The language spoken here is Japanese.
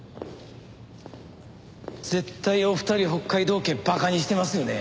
絶対お二人北海道警馬鹿にしてますよね？